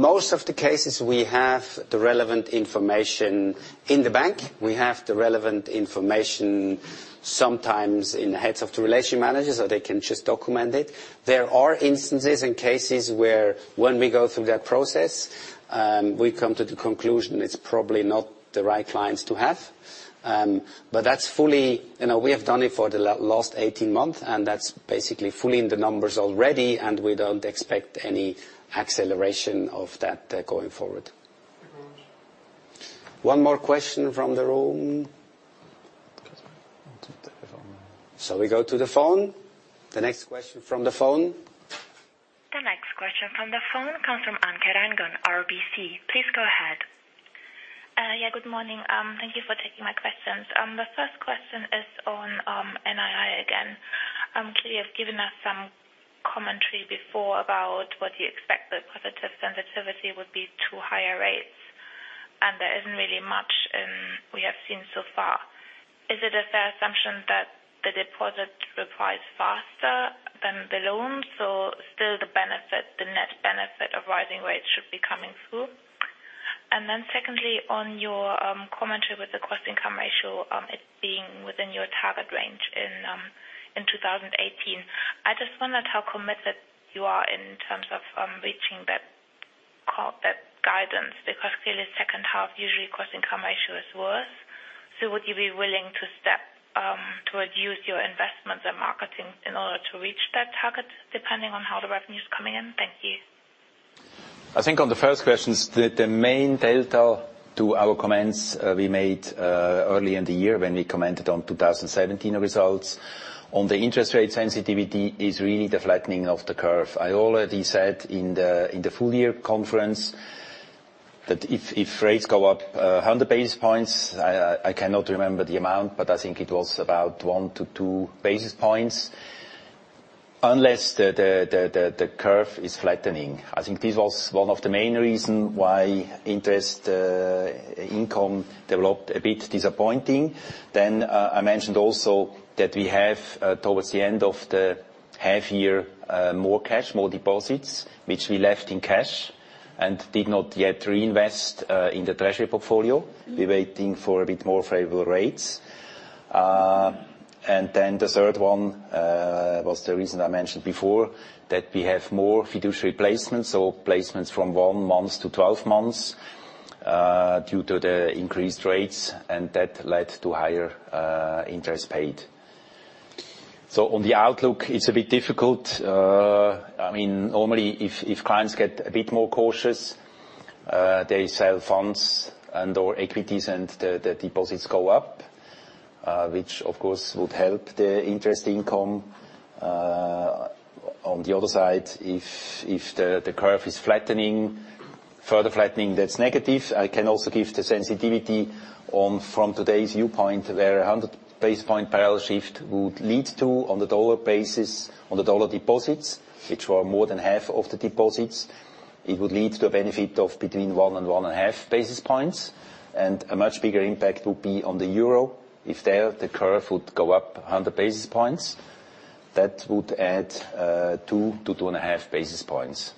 S1: most of the cases, we have the relevant information in the bank. We have the relevant information sometimes in the heads of the relationship managers, so they can just document it. There are instances and cases where when we go through that process, we come to the conclusion it's probably not the right clients to have. We have done it for the last 18 months, and that's basically fully in the numbers already, and we don't expect any acceleration of that going forward.
S12: Thanks.
S1: One more question from the room. Shall we go to the phone? The next question from the phone.
S5: The next question from the phone comes from Anke Reingen, RBC. Please go ahead.
S13: Yeah, good morning. Thank you for taking my questions. The first question is on NII again. Clearly, you have given us some commentary before about what you expect the positive sensitivity would be to higher rates. There isn't really much we have seen so far. Is it a fair assumption that the deposit replies faster than the loans? Still the net benefit of rising rates should be coming through? Secondly, on your commentary with the cost-income ratio, it being within your target range in 2018. I just wondered how committed you are in terms of reaching that guidance, because clearly second half, usually cost-income ratio is worse. Would you be willing to step towards your investments and marketing in order to reach that target depending on how the revenue's coming in? Thank you.
S1: I think on the first questions, the main delta to our comments we made early in the year when we commented on 2017 results. On the interest rate sensitivity is really the flattening of the curve. I already said in the full year conference that if rates go up 100 basis points, I cannot remember the amount, but I think it was about one to two basis points
S2: Unless the curve is flattening. I think this was one of the main reasons why interest income developed a bit disappointing. I also mentioned that we have, towards the end of the half year, more cash, more deposits, which we left in cash and did not yet reinvest in the treasury portfolio. We are waiting for a bit more favorable rates. The third one, was the reason I mentioned before, that we have more fiduciary placements or placements from 1 month to 12 months, due to the increased rates, and that led to higher interest paid. On the outlook, it is a bit difficult. Normally, if clients get a bit more cautious, they sell funds and/or equities and the deposits go up, which of course would help the interest income. On the other side, if the curve is flattening, further flattening, that is negative. I can also give the sensitivity from today's viewpoint, where 100 basis point parallel shift would lead to, on the dollar deposits, which were more than half of the deposits, it would lead to a benefit of between 1 and 1.5 basis points. A much bigger impact would be on the EUR. If there, the curve would go up 100 basis points. That would add 2 to 2.5 basis points.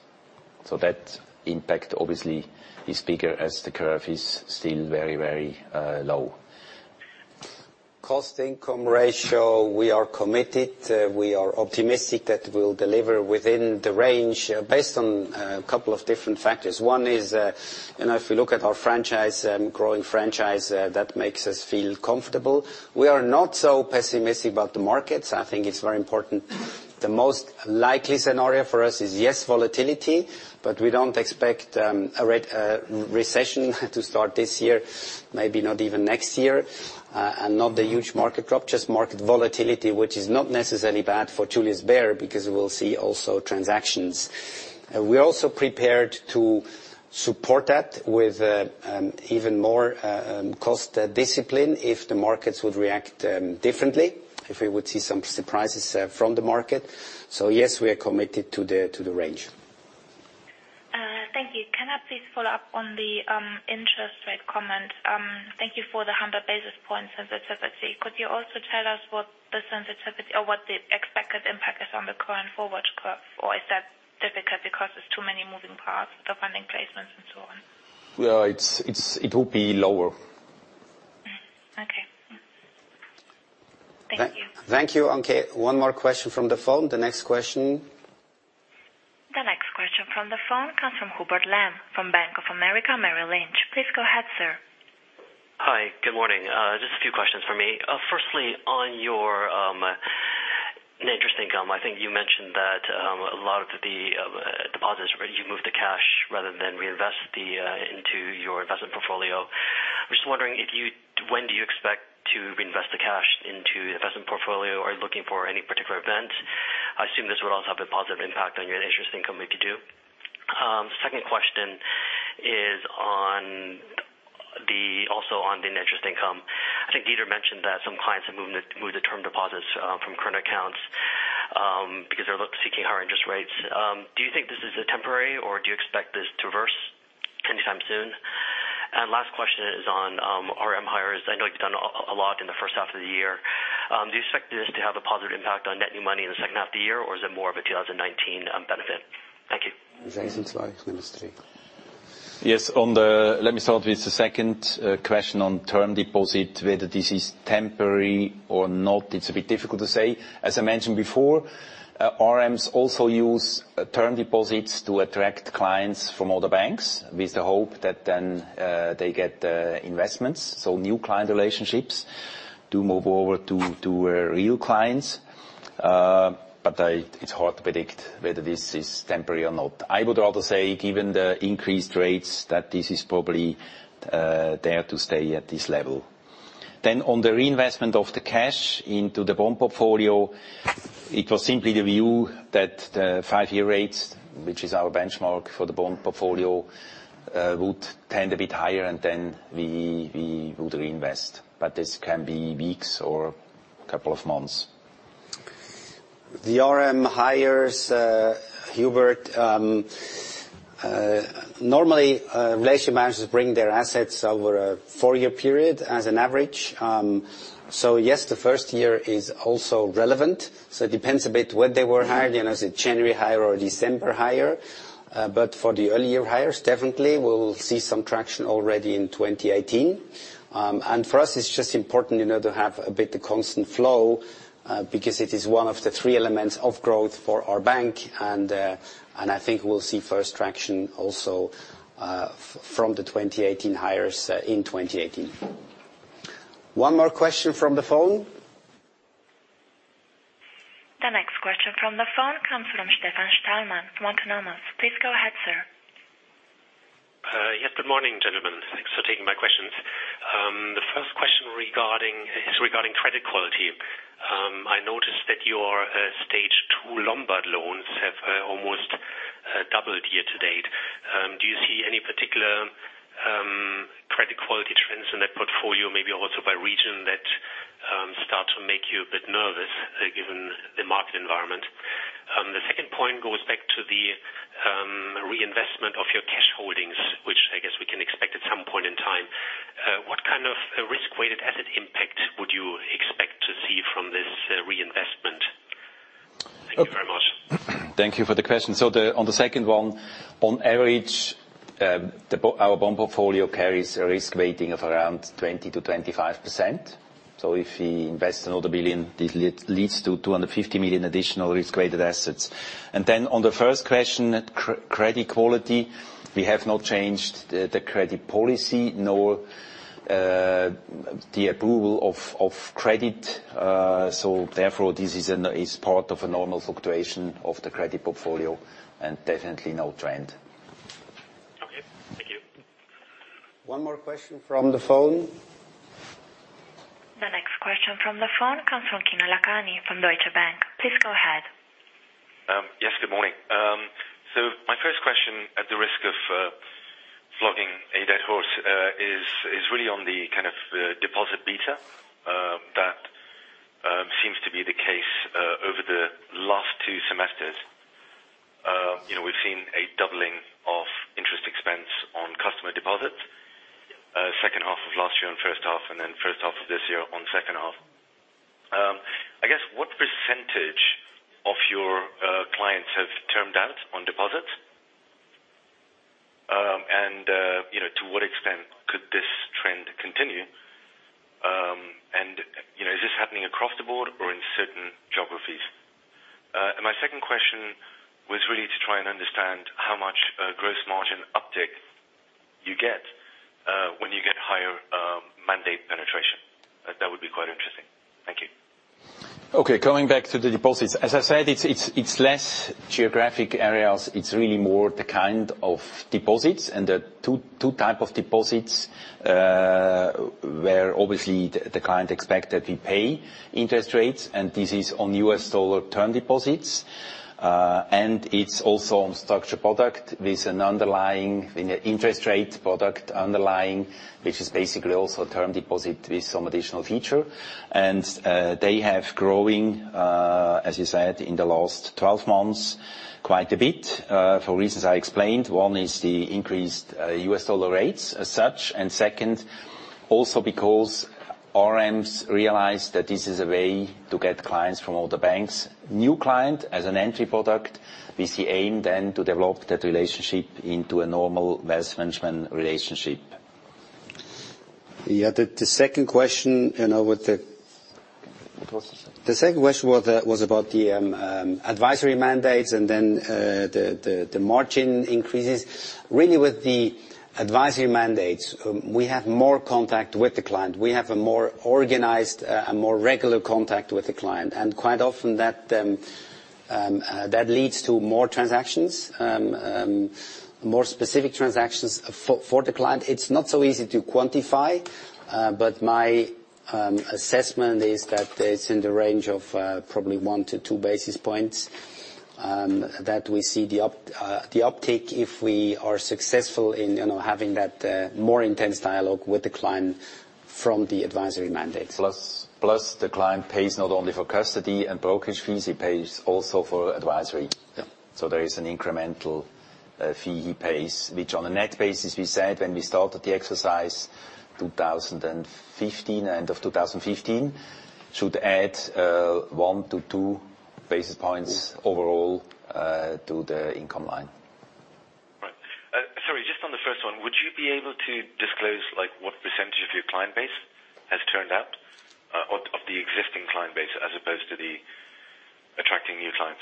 S2: That impact obviously is bigger as the curve is still very low.
S1: Cost income ratio, we are committed, we are optimistic that we will deliver within the range based on a couple of different factors. One is, if we look at our franchise, growing franchise, that makes us feel comfortable. We are not so pessimistic about the markets. I think it is very important. The most likely scenario for us is, yes, volatility, but we do not expect a recession to start this year, maybe not even next year. Not a huge market drop, just market volatility, which is not necessarily bad for Julius Bär, because we will see also transactions. We are also prepared to support that with even more cost discipline if the markets would react differently, if we would see some surprises from the market. Yes, we are committed to the range.
S13: Thank you. Can I please follow up on the interest rate comment? Thank you for the 100 basis points sensitivity. Could you also tell us what the sensitivity or what the expected impact is on the current forward curve? Is that difficult because there is too many moving parts, the funding placements and so on?
S2: Well, it will be lower.
S13: Okay. Thank you.
S1: Thank you. Okay, one more question from the phone. The next question.
S5: The next question from the phone comes from Hubert Lam, from Bank of America Merrill Lynch. Please go ahead, sir.
S14: Hi, good morning. Just a few questions from me. Firstly, on your net interest income, I think you mentioned that a lot of the deposits, you moved to cash rather than reinvest into your investment portfolio. I'm just wondering, when do you expect to reinvest the cash into the investment portfolio? Are you looking for any particular event? I assume this would also have a positive impact on your net interest income if you do. Second question is also on the net interest income. I think Dieter mentioned that some clients have moved the term deposits from current accounts, because they're seeking higher interest rates. Do you think this is temporary or do you expect this to reverse anytime soon? Last question is on RM hires. I know you've done a lot in the first half of the year. Do you expect this to have a positive impact on net new money in the second half of the year, or is it more of a 2019 benefit? Thank you.
S2: Yes. Let me start with the second question on term deposit, whether this is temporary or not. It's a bit difficult to say. As I mentioned before, RMs also use term deposits to attract clients from other banks, with the hope that then they get investments. New client relationships do move over to real clients. It's hard to predict whether this is temporary or not. I would rather say, given the increased rates, that this is probably there to stay at this level. On the reinvestment of the cash into the bond portfolio, it was simply the view that the five-year rates, which is our benchmark for the bond portfolio, would tend a bit higher and then we would reinvest. This can be weeks or couple of months.
S1: The RM hires, Hubert. Normally, relationship managers bring their assets over a four-year period as an average. Yes, the first year is also relevant. It depends a bit when they were hired, as a January hire or a December hire. For the early year hires, definitely we will see some traction already in 2018. For us, it's just important to have a bit constant flow, because it is one of the three elements of growth for our bank. I think we'll see first traction also from the 2018 hires in 2018. One more question from the phone.
S5: The next question from the phone comes from Stefan Stallmann, from Autonomous Research. Please go ahead, sir.
S15: Yes. Good morning, gentlemen. Thanks for taking my questions. The first question is regarding credit quality. I noticed that your Stage 2 loan doubled year to date. Do you see any particular credit quality trends in that portfolio, maybe also by region, that start to make you a bit nervous given the market environment? The second point goes back to the reinvestment of your cash holdings, which I guess we can expect at some point in time. What kind of risk-weighted asset impact would you expect to see from this reinvestment? Thank you very much.
S2: Thank you for the question. On the second one, on average, our bond portfolio carries a risk weighting of around 20%-25%. If we invest another 1 billion, this leads to 250 million additional risk-weighted assets. On the first question, credit quality, we have not changed the credit policy nor the approval of credit. Therefore, this is part of a normal fluctuation of the credit portfolio and definitely no trend.
S15: Okay. Thank you.
S1: One more question from the phone.
S5: The next question from the phone comes from Kian Abouhossein from Deutsche Bank. Please go ahead.
S16: Yes, good morning. My first question, at the risk of flogging a dead horse, is really on the kind of deposit beta that seems to be the case over the last two semesters. We've seen a doubling of interest expense on customer deposits second half of last year and first half, then first half of this year on second half. I guess, what percentage of your clients have termed out on deposits? To what extent could this trend continue? Is this happening across the board or in certain geographies? My second question was really to try and understand how much gross margin uptick you get when you get higher mandate penetration. That would be quite interesting. Thank you.
S2: Okay. Coming back to the deposits, as I said, it's less geographic areas. It's really more the kind of deposits and the 2 type of deposits, where obviously the client expect that we pay interest rates, and this is on US dollar term deposits. It's also on structured product with an underlying interest rate product underlying, which is basically also term deposit with some additional feature. They have growing, as you said, in the last 12 months quite a bit, for reasons I explained. One is the increased US dollar rates as such, and second, also because RMs realized that this is a way to get clients from other banks. New client as an entry product. We see aim then to develop that relationship into a normal wealth management relationship.
S1: Yeah. The second question.
S2: What was the second?
S1: The second question was about the advisory mandates and then the margin increases. Really with the advisory mandates, we have more contact with the client. We have a more organized, a more regular contact with the client. Quite often that leads to more transactions, more specific transactions for the client. It's not so easy to quantify, but my assessment is that it's in the range of probably one to two basis points, that we see the uptick if we are successful in having that more intense dialogue with the client from the advisory mandate.
S2: Plus, the client pays not only for custody and brokerage fees, he pays also for advisory.
S1: Yeah.
S2: There is an incremental fee he pays, which on a net basis, we said when we started the exercise end of 2015, should add 1 to 2 basis points overall to the income line.
S16: Right. Sorry, just on the first one, would you be able to disclose what % of your client base has turned out, of the existing client base, as opposed to the attracting new clients?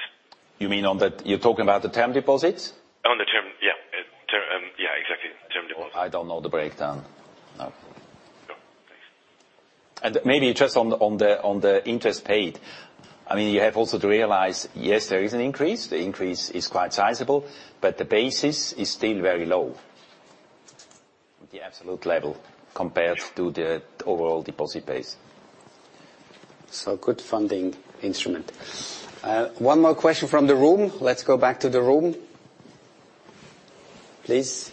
S2: You mean on that, you're talking about the term deposits?
S16: On the term, yeah. Exactly. Term deposits.
S2: I don't know the breakdown. No.
S16: No. Thanks.
S2: Maybe just on the interest paid, you have also to realize, yes, there is an increase. The increase is quite sizable, but the basis is still very low, the absolute level compared to the overall deposit base.
S1: Good funding instrument. One more question from the room. Let's go back to the room. Please.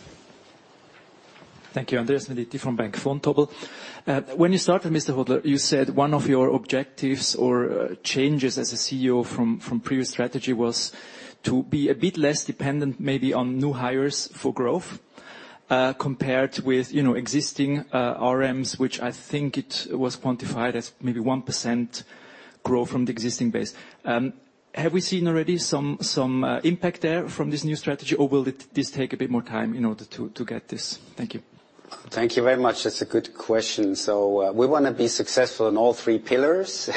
S17: Thank you. Andreas Melliti from Bank Vontobel. When you started, Mr. Hodler, you said one of your objectives or changes as a CEO from previous strategy was to be a bit less dependent maybe on new hires for growth, compared with existing RMs, which I think it was quantified as maybe 1% growth from the existing base. Have we seen already some impact there from this new strategy, or will this take a bit more time in order to get this? Thank you.
S1: Thank you very much. That's a good question. We want to be successful in all three pillars.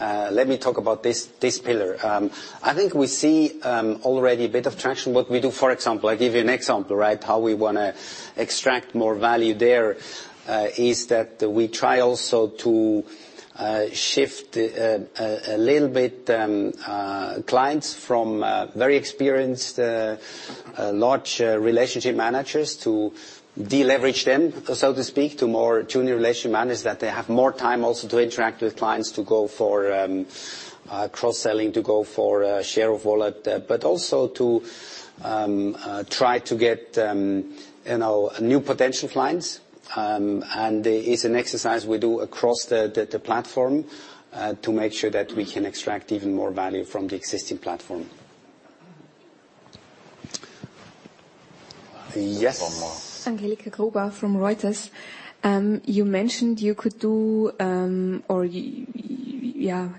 S1: Let me talk about this pillar. I think we see already a bit of traction. What we do, for example, I give you an example, right? How we want to extract more value there, is that we try also to shift a little bit clients from very experienced Large relationship managers to deleverage them, so to speak, to more junior relationship managers, that they have more time also to interact with clients, to go for cross-selling, to go for share of wallet, but also to try to get new potential clients. It's an exercise we do across the platform, to make sure that we can extract even more value from the existing platform. Yes.
S18: Angelika Gruber from Reuters. You mentioned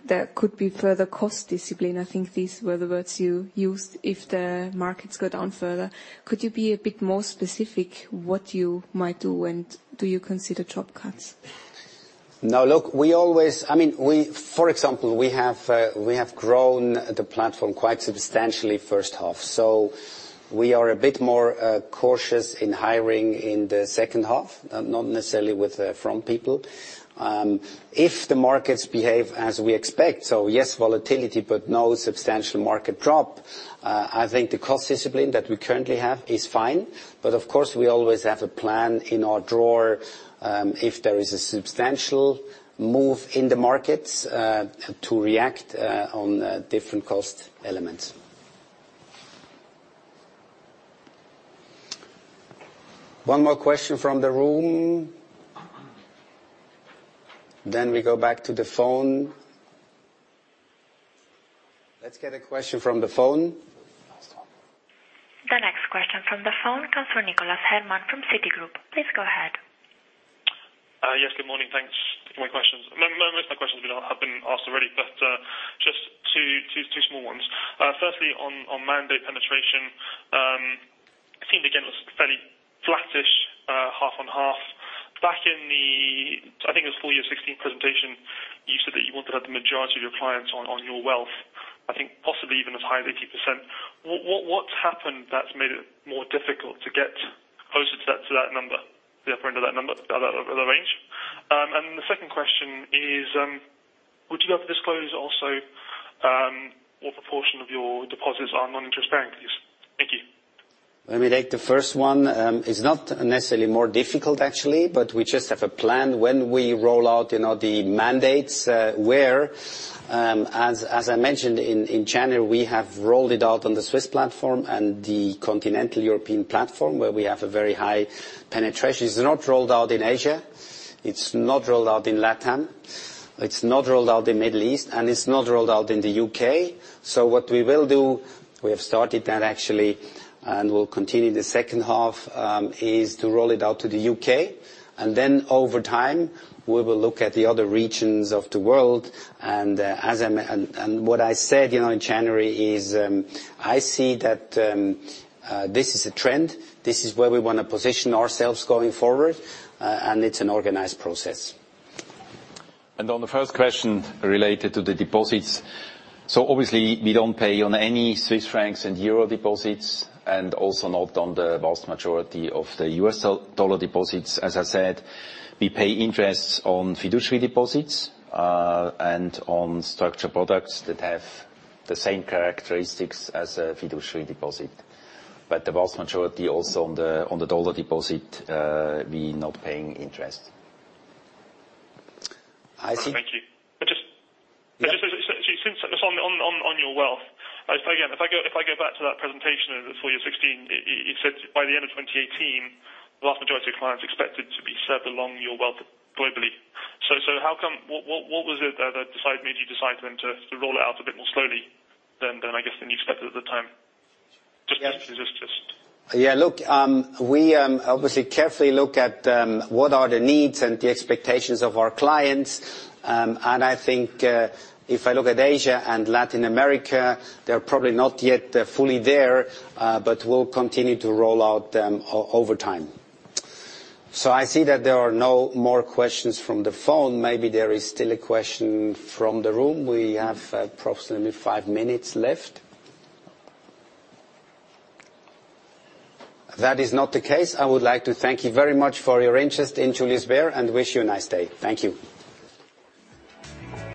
S18: there could be further cost discipline, I think these were the words you used, if the markets go down further. Could you be a bit more specific what you might do, and do you consider job cuts?
S1: No. For example, we have grown the platform quite substantially first half. We are a bit more cautious in hiring in the second half, not necessarily with front people. If the markets behave as we expect, yes, volatility, but no substantial market drop, I think the cost discipline that we currently have is fine. Of course, we always have a plan in our drawer, if there is a substantial move in the markets to react on different cost elements. One more question from the room, then we go back to the phone. Let's get a question from the phone.
S5: The next question from the phone comes from Nicholas Herman from Citigroup. Please go ahead.
S19: Yes, good morning. Thanks. A few more questions. Most of my questions have been asked already, just two small ones. Firstly, on mandate penetration. It seemed, again, it was fairly flattish, half on half. Back in the, I think it was full year 2016 presentation, you said that you wanted to have the majority of your clients on Your Wealth. I think possibly even as high as 80%. What's happened that's made it more difficult to get closer to that number, the upper end of that number, of the range? The second question is, would you be able to disclose also what proportion of your deposits are non-interest-bearing, please? Thank you.
S1: Let me take the first one. It's not necessarily more difficult, actually, we just have a plan when we roll out the mandates, where, as I mentioned, in January, we have rolled it out on the Swiss platform and the continental European platform, where we have a very high penetration. It's not rolled out in Asia. It's not rolled out in LATAM. It's not rolled out in Middle East, and it's not rolled out in the U.K. What we will do, we have started that actually, and we'll continue the second half, is to roll it out to the U.K. Then over time, we will look at the other regions of the world. What I said in January is, I see that this is a trend. This is where we want to position ourselves going forward. It's an organized process.
S2: On the first question related to the deposits. Obviously, we don't pay on any CHF and EUR deposits, and also not on the vast majority of the USD deposits. As I said, we pay interest on fiduciary deposits, and on structured products that have the same characteristics as a fiduciary deposit. The vast majority also on the USD deposit, we're not paying interest.
S1: I see.
S19: Thank you.
S1: Yeah.
S19: On Your Wealth, again, if I go back to that presentation of the full year 2016, you said by the end of 2018, the vast majority of clients expected to be served along Your Wealth globally. What was it that made you decide then to roll it out a bit more slowly than, I guess, than you expected at the time?
S1: Yeah. Look, we obviously carefully look at what are the needs and the expectations of our clients. I think, if I look at Asia and Latin America, they're probably not yet fully there, but we'll continue to roll out over time. I see that there are no more questions from the phone. Maybe there is still a question from the room. We have approximately five minutes left. That is not the case. I would like to thank you very much for your interest in Julius Bär, and wish you a nice day. Thank you.